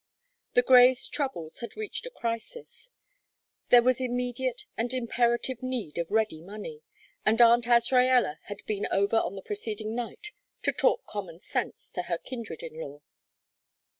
The Greys' troubles had reached a crisis; there was immediate and imperative need of ready money, and Aunt Azraella had been over on the preceding night "to talk common sense" to her kindred in law.